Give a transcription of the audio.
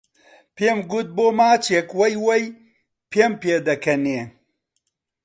پێم کوت بۆ ماچێک وەی وەی پێم پێ دەکەنێ